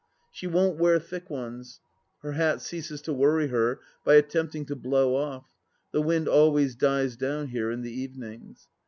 She won't wear thick ones. Her hat ceases to worry her by attempting to blow off ; the wind always dies down here in the evenings.